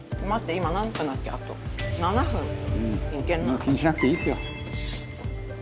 「もう気にしなくていいですよ」